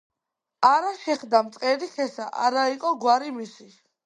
არა შეხდა მწყერი ხესა, არა იყო გვარი მისი